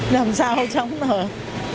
làm sao sống được